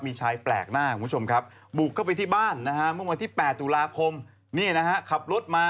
มีชัยแปลกหน้าครับคุณผู้ชมครับ